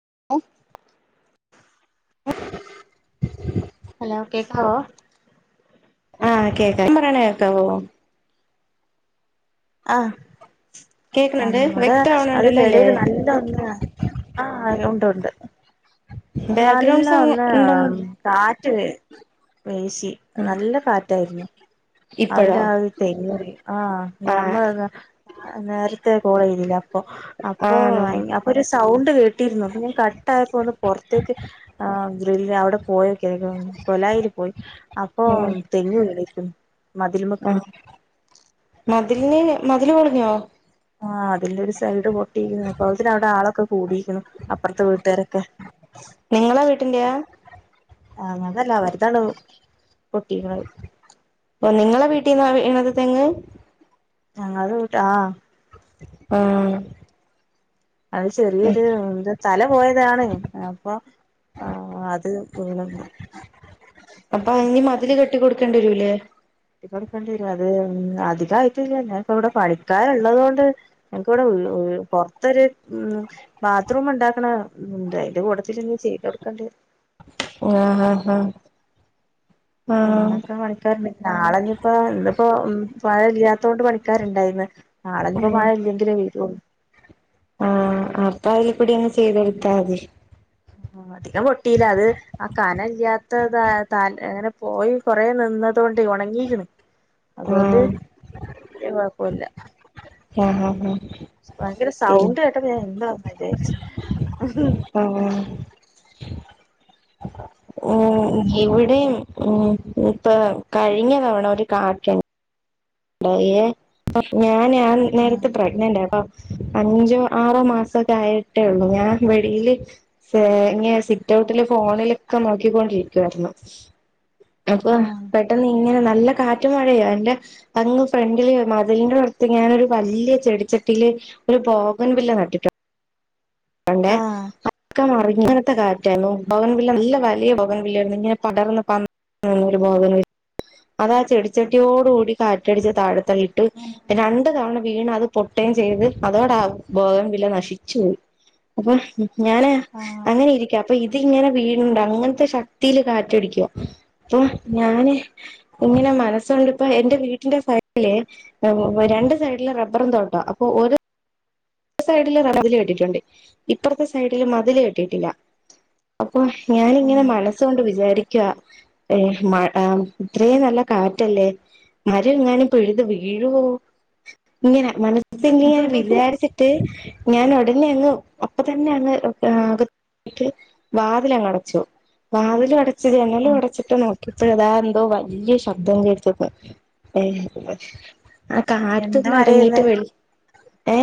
[inaudible] Law കേക്കാവോ? ആഹ് കേക്ക പറെണ കേക്കാവൊ? ആഹ്- ആ കേക്കണണ്ട് നിങ്ങടെ അതിന്റെ വ്യക്താവണണ്ടല്ലോ അല്ലേ എഡേല് നല്ല ഒന്ന് ആ- ആഹ് ഉണ്ട് ഉണ്ട്- നല്ല ബാക്ക്ഗ്രൗണ്ട് സൗണ്ട് ഒന്നാ ഉണ്ടന്ന് കാ [unintelligible] പേശി നല്ല കാറ്റായിരുന്നു- അല്ല ഇപ്പഴോ അത് തെങ്ങ് വീ ആ ആഹ് ഞമ്മൾ നേരത്തെ പോയില്ലേ അപ്പൊ അപ്പൊ ആണോ അപ്പൊ ഒരു സൗണ്ട് കേട്ടിരുന്നു അപ്പൊ ഞാൻ കട്ടായപ്പോ ഒന്ന് പുറത്തേക്ക് ആ- [unintelligible] അവിടെ പോയൊക്കെ കൊലായിൽ പോയി അപ്പൊ ഉം തെങ്ങു വീണി ഉം ആഹ് മ മതിലിന് മതില് പൊളിഞ്ഞോ ആഹ് അതിന്റെ ഒരു സൈഡ് പൊട്ടിയിരിക്കുന്നു അപ്പഴ്ത്തേനും അവിടെ ആളൊക്കെ കൂടികണു അപ്പുറത്തെ വീട്ടുകാരൊക്കെ നിങ്ങള വീട്ടിന്റെയാ ആങ്ങൾതല്ല അവരതാണ് പൊട്ടീക്ക്ണ് പൊ നിങ്ങളെ വീട്ടീന്നാ വീണത് തെങ്ങ് ഞങ്ങളെ വീട്ട് ആ ആ അത് ചെറിയൊരു തല പോയതാണ് അപ്പൊ ആഹ് അത് വീണു അപ്പൊ അയ്ന് മതില് കെട്ടികൊടുക്കേണ്ടി വരു ഏഹ് കെട്ടിക്കൊടുക്കേണ്ടേരും അത് അധികായിട്ടില്ല ഞാൻ പ്പവടെ പണിക്കാര്ള്ളത്കൊണ്ട് നമുക്ക്വ്ടെ വീ വീ പൊറ്ത്തൊര് വാത്റൂംണ്ടാക്കണംന്ന്ണ്ട് ഐൻ്റെ കൂടത്തിലിനിചെയ്തൊടുക്കേണ്ടേരും. ആ ഹാ ഹാ ന്നൊക്കെ പണിക്കാറ്ണ്ട് നാളെ ഞിപ്പോ ഇന്ന്പ്പോ മഴ ഇല്ലാത്തോണ്ട് പണിക്കാരുണ്ടായിന്ന് നാളെനിപ്പോ മഴ ഇല്ലെങ്കിലേ വരുള്ളൂ ആ അപ്പൊ ഐൽകൂടിയങ്ങ് ചെയ്തൊട്ത്താ മതി ആ അധികം പൊട്ടീല്ല അത് ആ കനല് ല്യാത്തതായ് ത അങ്ങനെ പോയി കൊറേ നിന്നതോണ്ടൈ ഉണങ്ങീക്ക്ണ് അതോണ്ട് ആഹ് ലിയ കൊഴപ്പല്ല ആ ആ ഭയങ്കര സൗണ്ട്കേട്ടപ്പ ഞാനെന്താ വിചാരിച്ചു [unintelligible] ആഹ് ആഹ് ഉം ഇവിടേം ഉം ഇപ്പ കഴിഞ്ഞതവണ ഒരു കാറ്റ [unintelligible] ഞാൻ ഞാ ആഹ് നേരത്തെ പ്രഗ്നന്റയപ്പ അഞ്ചോ ആറോ മാസൊക്കെ ആയിട്ടേള്ളൂ ഞാൻ വെളയില് ഏ ഇങ്ങെ സിറ്റൗട്ടില് ഫോണിലൊക്കെ നോക്കിക്കൊണ്ടിരിക്കായിരുന്നു അപ്പൊ ആഹ് പെട്ടെന്നിങ്ങനെ നല്ല കാറ്റു മഴയാ ന്റെ അങ്ങ് ഫ്രണ്ടില് മതിലിന്റെ അട്ത്ത് ഞാനൊരു വല്ലൃയ ചെടിച്ചട്ടില് ഒരു പോകൻ വില്ല നട്ടിട്ടു ണ്ടേ ആഹ് അക്കെ മറിഞ്ഞങ്ങനത്തെ കാറ്റായിരുന്നു ഭോകൻ വില്ല നല്ല വല്ലൃ ഭോകൻവില്ലായിരുന്നു ഇങ്ങനെപടർന്ന് പ [unintelligible] അതാ ചെടിച്ചട്ടിയോട്കൂടി കാറ്റടിച്ച് താഴ് ള്ളിട്ട് രണ്ട് തവണ വീണ് അത് പൊട്ടൈം ചെയ്ത് അതോടെ ഭോഗംവില്ല നശിച്ചു പോയി അപ്പ ഞാന് ആഹ് അങ്ങനെ ഇരിക്കാം പ്പൊ ഇതിങ്ങനെ വീണുണ്ട് അങ്ങൻത്തെ ശക്തീല് കാറ്റടിക്കുവാ അപ്പൊ ഞാന് ഇങ്ങനെ മനസ്സൊണ്ട്പ്പ എന്റെ വീട്ടിന്റെ [unintelligible] രണ്ട് സൈഡില് റബ്ബറും തോട്ടാ അപ്പൊ ഒരു സൈഡില് മതില് കെട്ടിട്ടുണ്ട് ഇപ്പറത്തെ സൈഡില് മതില് കെട്ടീട്ടില്ല അപ്പൊ ഞാനിങ്ങനെ ഉം മനസ്സോണ്ട് വിചാരിക്കുവ ഏ മഴ ഇത്രേനല്ല കാറ്റല്ലേ മരങ്ങാനും പിഴുത് വീഴുവോ ഇങ്ങനെ മന സിൽ ഞാൻ വിജാരിച്ച്ട്ട് ഞാൻ ഉടനെ അങ്ങ് അപ്പൊ തന്നെ അങ് ആകത്താ വാതിലങ്ങ് അടച്ചു വാതിൽ അടച്ച് ജനലും ഉം അടച്ചിട്ട് നമുക്കിപ്പോ താ എന്തോ വലിയ ശബ്ദം കേക്ക്ന്ന് ആ എന്ത് കാത്ത്ന്ന് മരേയ്ന്ന് അടങ്ങീട്ട് വെ ഏ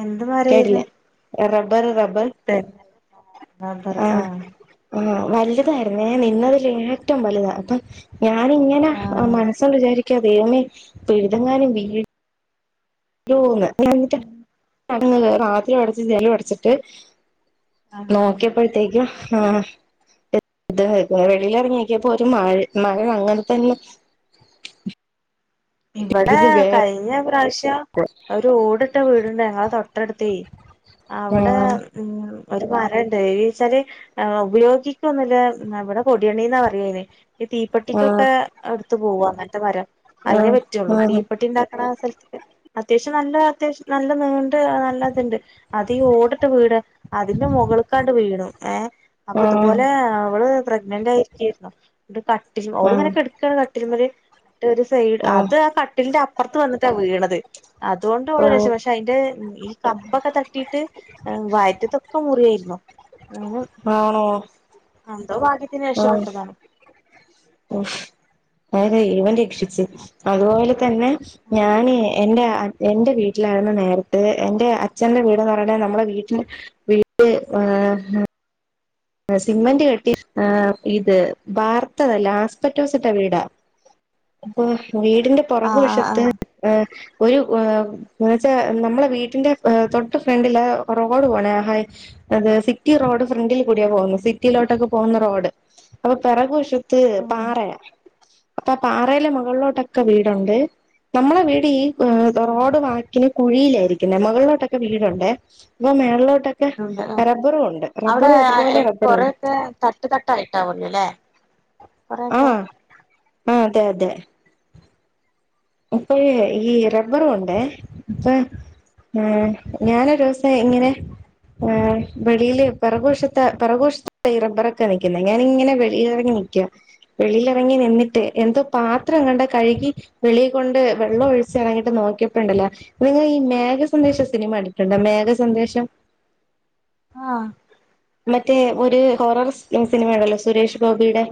എന്ത് കേട്ടില്ല മരേയ്ന്ന് റബ്ബർ റബ്ബർ തെങ്ങ് റബ്ബർ ആ ആഹ് ആ വലുതായിരുന്നെ നിന്നതിൽ ഏറ്റവും വലുതാ അപ്പം ഞാനിങ്ങനെ ആഹ് മനസ്സോണ്ട് വിചാരിക്ക ക്കെയാ ദൈവമേ പിഴുതെങ്ങാനും വീ ഴുവോന്ന് [unintelligible] [unintelligible] വാതിലും അടച്ച് ജനലും അടച്ചിട്ട് ആഹ് നോക്കിയപ്പ്ഴ്ത്തേക്കും ആ വെളിലേറങ്ങി നോക്കിപ്പോ ഒരു മഴ മഴ അങ്ങനെ തന്നെ ഇവിടെ ഇത് വേ കഴിഞ്ഞ പ്രാശം ട്ടാ ഒരു ഓടിട്ട വീടുണ്ടേ ഞങ്ങള തൊട്ടടുത്തെയ് ആ അവിടെ മ്മ് ഒരു മരണ്ട് എത്ച്ചാല് ആഹ്‌ ഉപയോഗിക്കുന്നില്ല ന്നാ ഇവിടെ കൊടിയണ്ണീന്നാ പറയ്യ്യ അതിന് ഇ ആ തീപട്ടിക്കൊക്കെ ഒ ത്ത് പോവാ അങ്ങനത്ത മരം ആ അതിനെ പറ്റുള്ളൂ തീപ്പെട്ടി ഇണ്ടാക്കണ സ്ഥല്ത്ത് അത്യാവശ്യം നല്ല അത്യാവശ്യം നല്ല നീണ്ട് നല്ല ഇതുണ്ട് അതീ ഓടിട്ട വീട് അതിന്റെ മുകളിക്കാണ്ട് വീണു ഏഹ് അപ്പൊ ആ ഇതുപോലെ അവള് പ്രഗ്നന്റ് ആയിരിക്കാരുന്നു കട്ടിലും ആ അവളിങ്ങനെ ഇങ്ങനക്കെടക്കാണ് [unintelligible] അത് ആ കട്ടിലിന്റെ അപ്രത്ത് വന്നിട്ടാ വീണത് ഓ അതുകൊണ്ടോള് രക്ഷം പക്ഷെ അയിന്റെ ഈ കമ്പൊക്കെ തട്ടിയിട്ട് വയ്റ്റത്തൊക്കെ മുറിയാരുന്നു ആണോ [unintelligible] എന്തോ ഭാഗ്യത്തിന് രക്ഷപ്പെെട്ടതാ ഓഹ് ആരെ ഇവൻ രക്ഷിച്ച് അതുപോലെ തന്നെ ഞാന് എൻറ്റാ എന്റെ വീട്ടിലാരുന്നു നേരത്തെ എന്റെ അച്ഛന്റെ വീടെന്ന് പറയാണെ നമ്മടെ [unintelligible] സിമന്റ് കെട്ടി ഇത് ബാർത്തതല്ല ആസ്പറ്റോസിട്ട വീടാ അപ്പൊ വീടിന്റെ പുറക് ആഹ് ആഹ് വശത്ത് ആഹ് ഏഹ് ഒരു ന്ന് വച്ചാ നമ്മളെ വീട്ടിന്റെ തൊട്ട് ഫ്രണ്ടില് റോഡ് പോണ ഹ അത് സിറ്റി റോഡ് ഫ്രണ്ടിൽ കൂട്‌യാ പോകുന്ന് സിറ്റിയിലോട്ടൊക്കെ പോവുന്ന റോഡ് അപ്പൊ പെറകു വശം ത്ത് ഉം പാറയാ. അപ്പൊ പാറയിലെ മുകളിലോട്ടൊക്കെ വീടുണ്ട്. നമ്മളെ വീട് ഈ ഏഹ് [unintelligible] വാക്കില് കുഴീല്. രിക്കുന്നേ മുകളിലോട്ടൊക്കെ വീടുണ്ടേ. [unintelligible] ള്ളോട്ടോക്കെ റബറുംണ്ട്. റബ്ബറു [unintelligible] കൊറേക്കെ തട്ട് തട്ടായിട്ടാവൊല്ലോ ല്ലേ കൊറേക്കെ. ആ അതെ അതെ. അപ്പഴേ ഈ റബ്ബറുംണ്ടേ. അപ്പൊ ഏഹ് ഞാനൊരു ദിവസം ഇങ്ങനെ ഏഹ് വെളിയില് പെറകുവശത്ത് പെറകുവശത്താ ഈ റബ്ബറൊക്കെ നിക്കുന്നെ. ഞാനിങ്ങനെ വെളിയിലിറങ്ങി നിക്ക, വെളിയിലിറങ്ങി നിന്നിട്ട് എന്തോ പാത്രം എങ്ങാണ്ടാ കഴുകി വെളീ കൊണ്ട് വെള്ളം ഒഴിച്ചറങ്ങിട്ട് നോക്കിയപ്പണ്ടല്ലോ നിങ്ങ ഈ മേഘ സന്ദേശ സിനിമ കണ്ടിട്ടുണ്ടോ മേഘ സന്ദേശം. ആ. മറ്റേ ഒരു ഹോറർ സിനിമ ഉണ്ടല്ലോ സുരേഷ് ഗോപിയുടെ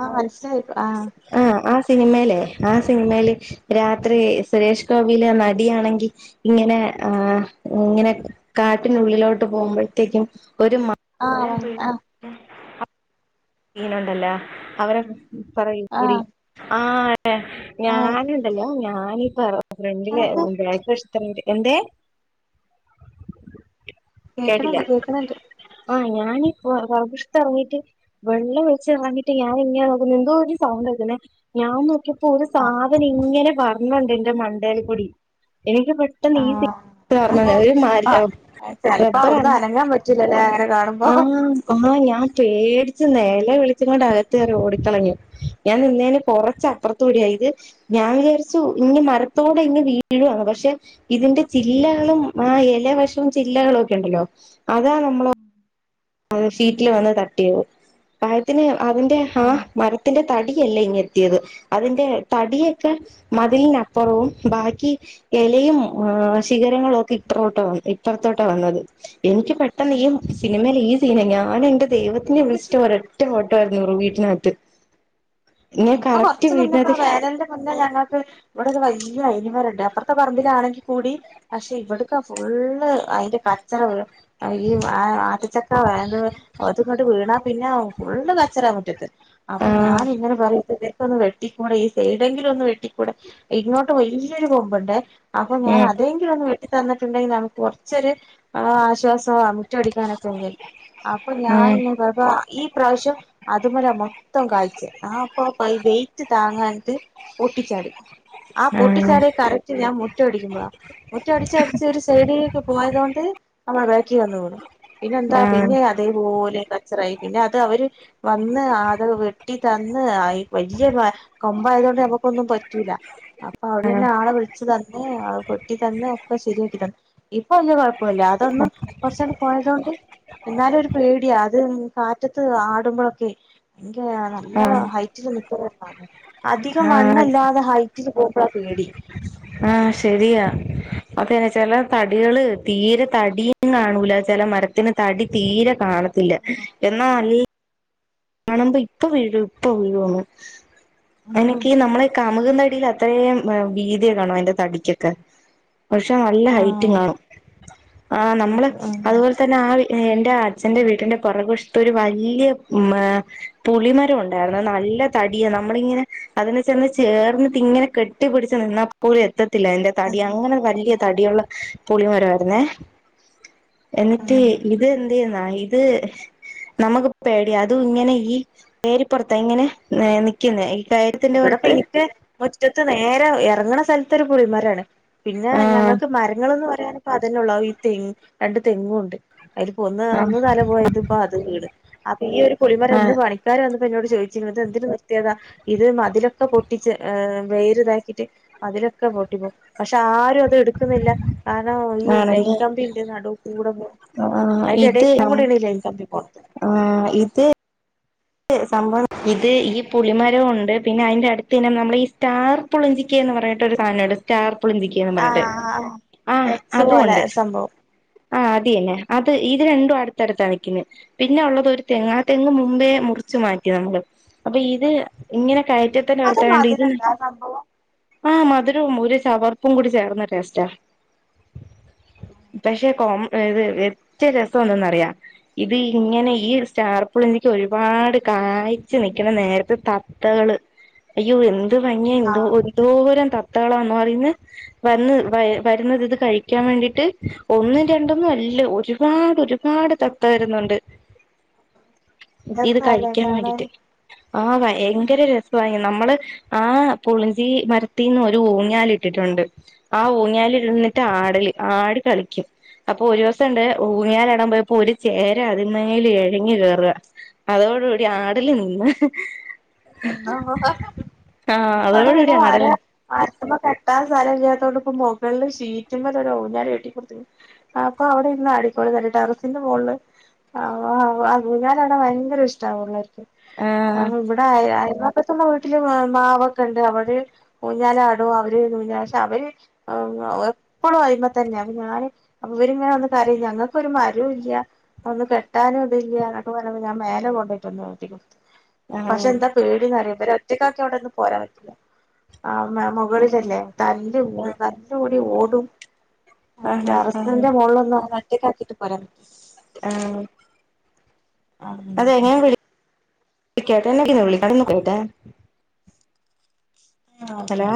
ആ മനസിലായി ആ സിനിമേലേ ആ സിനിമയില് രാത്രി സുരേഷ് ഗോപിലെ നടി ആണെങ്കി ഇങ്ങനെ ആ ഇങ്ങനെ കാട്ടിനുള്ളിലോട്ട് പോവുമ്പഴത്തേക്കും ഒരു മം ആഹ് ആഹ് [unintelligible] ലണ്ടല്ലോ അവര പറയൂ ബുടി ആഹ് ആ ഏ ആഹ് ഞാന്ണ്ടല്ലോ ഞാ ആ നീ പറ ഫ്രണ്ടിലെ ആഹ് ബാക്ക് വശ എന്തേ കേക്ക്ണണ്ട് കേക്ക്ണണ്ട് ആഹ ഞാന് പൊ പൊർകുവശത്ത് എർങ്ങീട്ട് വെള്ളം ഒളിച്ചിറങ്ങിട്ട് ഞാൻ ഇങ്ങനെ നോക്കുമ്പോ എന്തോ ഒരു സൗണ്ട്ങ്ങന്നെ ഞാൻ നോക്കിയ പ്പൊ ഒരു ആഹ് സാധനം ഇങ്ങനെ പറ ഇമ്മണ്ട് ഇന്റെ മണ്ടേൽ കൂടി എനിക്ക് പെട്ടെന്ന് ഈ [unintelligible] ആഹ് ഓർമ മര ആഹ് ഒരു ചെലപ്പോ അവിടുന്ന് റബ്ബറണ അനങ്ങാൻ പറ്റൂലല്ലേ അങ്ങനെ കാണുമ്പോ ആഹ ആഹ് ഞാൻ പേടി ച്ച് നെല വിളിച്ച് കൊണ്ടകത്ത് കയറി ഓടികളഞ്ഞു. ഞാൻ നിന്നേന് കൊറച്ച അപ്പൊർത്തു കൂടിയ ഇത്. ഞാൻ വിചാരിച്ചു ഇങ്ങ് മരത്തോടെ ഇങ്ങ് വീഴുവാണ്. പക്ഷെ ഇതിന്റെ ചില്ലകളും ആ എ ല വശവും ചില്ലകളും ഒക്കെ ണ്ടല്ലോ അതാ നമ്മള അത് ഷീറ്റിൽ വന്ന് തട്ടിയത്. ഭാഗ്യ ത്തിന അതിന്റെ ആ മരത്തിന്റെ തടിയല്ല ഇങ്ങൻത്തേത് അതിന്റെ തടിയൊക്കെ മതിലിനപ്പുറവും ബാക്കി എലയും ശിഖരങ്ങളൊക്കെ ഇപ്പറോട്ട വന്ന് ഇപ്പർത്തോട്ട വന്നത് എനിക്ക് പെട്ട് ടെന്ന് ഈ ആഹ് സിനിമലെ ഈ തിന ഞാനെന്റെ ദൈവത്തിനെ വിള്ച്ചിട്ട് ഒരൊറ്റ ഓട്ടായിരുന്നു വീട്ടിനകത്ത് ഞാൻ ഇപ്പൊ കറക്റ്റ് കൊർച്ച് മുന്നെപ്പ വീട്ടിനകത്ത് വേദനന്റെ മുന്നേ ഞങ്ങക്ക് ഇവിടെ ഒരു വല്യ ഐനിമരണ്ട് അപ്പർത്തെ പറമ്പിലാണെങ്കിൽ കൂടി പക്ഷെ ഇവട്ക്കാ ഫുള്ള് അയിന്റെ കച്ചറ വി ഈ ആ ആദ്യ ച്ചക്ക ആത് അത് ഇങ്ങട്ട് വീണാ പിന്നെ ഫുള്ള് കച്ചറ മുറ്റത് ആ അപ്പൊ ഞാനിങ്ങനെ ചെറീക്കൊന്ന് വെട്ടിക്കൂടെ ഈ സൈഡെങ്കിലും ഒന്ന് വെട്ടിക്കൂടെ ഇങ്ങോട്ട് വല്ല്യൊരു കൊമ്പുണ്ടെ അപ്പൊ ഞാൻ ഉം അതേങ്കിലൊന്ന് വെട്ടി തന്നിട്ടുണ്ടെങ്കിനമുക്ക് കൊർച്ചൊര് ആ ആശ്വാമാണ് മുറ്റടിക്കാനൊക്കെല്ലെ അപ്പൊ ഞാൻ ഉം ഇങ്ങനെ [unintelligible] ഈ പ്രാവശ്യം അതുമലാ മൊ ത്തം കായ്ചെ ആ അപ്പപ്പ വെയിറ്റ് താങ്ങാഞ്ഞിട്ട് പൊട്ടിച്ചാടി ആ പൊട്ടിച്ചാട്യേ കറക്റ്റ് ഞാൻ മുറ്റടിക്കുമ്പഴളാ മുറ്റം അടിച്ചടിച്ച് ഒരു സൈടീക്ക് പോയതോണ്ട് അത് അ ബേക്കി വന്ന് വീണു പിന്നെ എന്താ ആ പിന്നെ അതേപോലെ കച്ചറായി പിന്നെ അത് അവര് വന്ന് ആത് വെട്ടി തന്ന് ആയി വല്യ വ കൊമ്പായതു കൊണ്ട് നമക്കൊന്നും പറ്റൂല. അപ്പൊ അവര് തന്നെ ആളെ വിളിച്ചു തന്ന് അത് വെട്ടി തന്ന് ഒക്കെ ശരിയാക്കി തന്ന്. ഇ പ്പോ വല്ല്യ കൊഴപ്പോല്ല്യ. അതൊന്ന് കൊറച്ചാണ്ട് പോയതോണ്ട് എന്നാലും ഒരു പേടിയാ. അത് ഉം കാറ്റത്ത് ആടുമ്പഴൊക്കെ ഭയങ്കര നല്ല ഹൈറ്റില് നിക്കുന്നോ [unintelligible] അധികം ആ ആ വണ്ണല്ലാതെ ഹൈറ്റിൽ പോ പ്പളാ പേടി. ആഹ് ശരിയാ. അതുതന്നെ ചെല തടികള് തീരെ തടീം കാണൂല. ചെല മരത്തിന് തടി തീരെ കാണത്തില്ല. എന്നാ നൽ കാണുമ്പോ ഇപ്പൊ വീഴും ഇപ്പൊ വീഴോന്ന് അയ്നൊക്കീ നമ്മള് കാ [unintelligible] തടിയിൽ അത്രേം എ വീതിയൊക്കെ കാണും അതിന്റെ തടിക്കൊക്കെ പക്ഷെ നല്ല ഹൈറ്റും ആഹ് കാണും. ആ നമ്മള് ഇത് ഉം അതുപോലെ തന്നെ ആ എന്റെ അച്ഛന്റെ വീട്ടിന്റെ പുറക് വശത്ത് ഒരു വല്ല്യ മ് പുളിമരം ഒണ്ടായിരുന്നു അ നല്ല തടിയ നമ്മളിങ്ങനെ അതിനെ ചെന്ന് ചേർന്ന്ട്ട് ഇങ്ങനെ കെട്ടി പിടിച്ച്നിന്നാപ്പോലും എത്ത ത്തില്ല അയിൻ്റെ തടി അങ്ങനെ വല്ല്യ തടിയൊള്ള- പുളിമരായിരുന്നേ- എന്നിട്ട് ഉം ഇത് എന്തെന്നാ ഇ ഇത് നമക്ക് പേടിയാ അതും ഇങ്ങനെ ഈ പേരിപ്പുറത്ത ഇങ്ങനെ ഏ നിക്കുന്നെ ഈ- കയത്തിന്റെ ഇവിടെപ്പ പുറത്ത് എനിക്ക് മുറ്റത്ത് നേരെ ഇറങ്ങണ സ്ഥല ഇതൊരു പുളിമാരാണ് പിന്നെ ആ ഞങ്ങൾക്ക് മരങ്ങളൊന്നും- [unintelligible] അതിൽ പൊന്ന് അന്ന് ആ തല പോയത് ഇപ്പ അത് വീട് അപ്പൊ ഈ ഒരു പുളിമര ആ ഇന്ന് പണിക്കാര എന്നോട് ചോദിച്ചിത് എന്തിന് നിർത്തിയതാ ഇത് മതിലൊക്കെ പൊട്ടിച്ച് ആ വേര് ഇതാക്കിട്ട് മതിലൊക്കെ പൊട്ടിപ്പോവും പക്ഷെ ആരും അത് എടുക്കുന്നില്ല കാരണം ഈ ലൈൻ ആണല്ലേ കമ്പിന്റെ നടുവ കൂടെ പോ ആ അതിന്റെ ഇടൽ ഇത് കൂടൊ ഈ ലൈൻ കമ്പി പോണം ആ ഇത് സംഭവം ഇത് ഈ പുളിമരവും ഉണ്ട് പിന്നെ അതിന്റെ അടുത്ത് ഇങ്ങനെ നമ്മൾ സ്റ്റാർ പുളിഞ്ചിക്ക എന്ന് പറഞ്ഞട്ടൊ ഒരു സാധനുണ്ട് സ്റ്റാർ- പുളിഞ്ചിക്ക എന്ന് ആഹ് പറഞ്ഞട്ട് ആഹ് ആ എക്സ് പോലെ അതുകൊണ്ട്- ഒരു സംഭവം ആ അതിന്നെ അത് ഇത് രണ്ടും അടുത്തടുത്താണ് വെക്കുന്നത് പിന്നെ ഉള്ളത് ഒരു തെങ്ങ് ആ തെങ്ങ് മുമ്പേ മുറിച്ചു മാറ്റി നമ്മള് അപ്പോ ഇത് ഇങ്ങനെ കയറ്റത്തിൻറെ അവിടെ അതും തന്നെ ആയോണ്ട് അതിലുണ്ടാ ആ സംഭവം ആഹ് മധുരവും ഒരു ചവർപ്പും കൂടി ചേർന്ന ടേസ്റ്റാ പക്ഷെ കോം. ഇത് വ്യത്യ രസംന്താണെന്നറിയാം ഇത് ഇങ്ങനെ ഈ സ്റ്റാർപിള എനിക്ക് ഒരു ഒരുപാട് കാഴ്ച്ച നിക്കണ നേരത്തെ തത്തകള് അയ്യോ എ എന്ത് ഭംഗിയാ എന്തോ ആഹ് ഒരു എന്തോരം ത തത്തകളാണോ [unintelligible] വന്ന് വേ വരുന്നത് ഇത് കഴിക്കാൻ വേണ്ടിട്ട് ഒന്നും രണ്ടന്നും അല്ല ഒരുപാട് ഒരുപാട് തത്ത വരുന്നുണ്ട്. [inaudible] ഇത് സ്ഥലേ കഴിക്കാൻ കാണാൻ വേണ്ടിട്ട് ആ ഭയങ്കര രസാ ആഹ് നമ്മള് ആഹ് പുളിഞ്ചി മരത്തിന്ന് ഒരു ഊഞ്ഞാലിട്ടിട്ടുണ്ട് ആ ഊഞ്ഞാല ഇരുന്നിട്ട് ആടൽ ആടി കളിക്കും അപ്പോ ഒരു ണ്ട് ഊഞ്ഞാലാടാൻ പോയപ്പോ ഒരു ചേരാ അതിമേല് ഇഴഞ്ഞു കേറുക. അതോടൂടി ആടല് നിന്ന് ആഹ് അതോടെ കുടി ആടല് അപ്പൊ കെട്ടാൻ സ്ഥല ഇല്ലാത്തോണ്ട് ഇപ്പം മുകളില് ഷീറ്റും മേൽ ഒര് ഊഞ്ഞാല് കെട്ടിക്കൊടുത്തു അപ്പൊ അവിടെ ഇരുന്ന് അടിക്കോള ടെറസിന്റെ മുകളില് ആ വ വാ ഊഞ്ഞാലാടാൻ ഭയങ്കര ഇഷ് ആ [unintelligible] അ ഇവ്ടെ ആ അപ്പത്തുള്ള വീട്ടില് മാ മാവൊക്കെ ഉണ്ട് അവര് ഊഞ്ഞാലാടും അവര് ഊഞ്ഞാ പക്ഷെ അവര് എപ്പോളും ആയിമേ തന്നെ അപ്പ ഞാന് പെട്ടെന്ന് അകത്തേക്ക് ആ പക്ഷെ എന്ത പേടിന്നറിയൊ ഇരെ ഒറ്റക്കാക്കി അവിടെന്ന് പോരാൻ പറ്റില്ല. ആ മ് മുകളിലല്ലേ തല്ല് കൂടും തല്ല് കൂട് ഏ ഓടും ആ ആ ആ ടെറസിന്റെ മോളൊന്നുങ്ങനെ കേക്കാക്കീട്ട് പറ ആഹ് അതെ ഞാൻ [unintelligible] ആ ഓക്കെ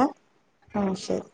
ആഹ് ശെരി.